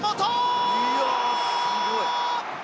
すごい。